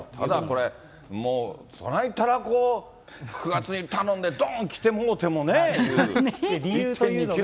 これ、もう、そないたらこ、９月に頼んで、どーん来てもうて理由というのは。